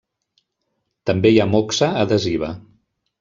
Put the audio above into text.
També hi ha moxa adhesiva.